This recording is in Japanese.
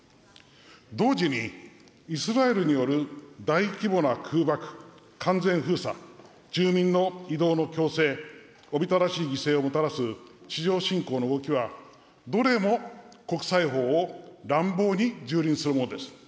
同時に、イスラエルによる大規模な空爆、完全封鎖、住民の移動の強制、おびただしい犠牲をもたらす地上侵攻の動きは、どれも国際法を乱暴にじゅうりんするものです。